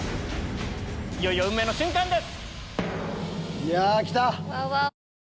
いよいよ運命の瞬間です！